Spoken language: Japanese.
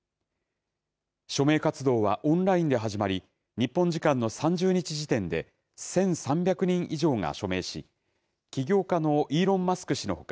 署名活動は、オンラインで始まり日本時間の３０日時点で１３００人以上が署名し起業家のイーロン・マスク氏の他